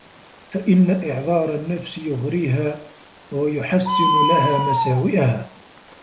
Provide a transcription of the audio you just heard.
فَإِنَّ إعْذَارَ النَّفْسِ يُغْرِيهَا وَيُحَسِّنُ لَهَا مَسَاوِئَهَا